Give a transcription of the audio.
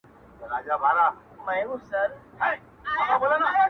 • لکه خدای وي چاته نوی ژوند ورکړی -